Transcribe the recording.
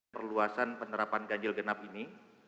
perluasan penerapan ganjil genap ini